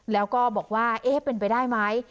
แล้วก็บอกว่าเอ๊ะเป็นไปได้ไหม